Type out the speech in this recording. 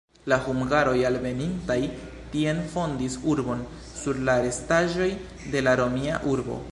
La hungaroj alvenintaj tien fondis urbon, sur la restaĵoj de la romia urbo.